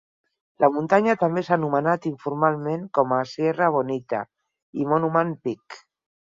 La muntanya també s'ha anomenat informalment com a Sierra Bonita i Monument Peak.